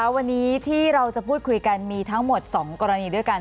วันนี้ที่เราจะพูดคุยกันมีทั้งหมด๒กรณีด้วยกัน